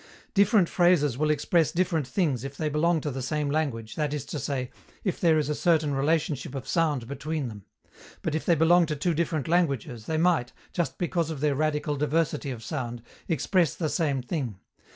Different phrases will express different things if they belong to the same language, that is to say, if there is a certain relationship of sound between them. But if they belong to two different languages, they might, just because of their radical diversity of sound, express the same thing.